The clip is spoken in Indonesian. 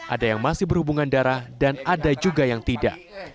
ada yang masih berhubungan darah dan ada juga yang tidak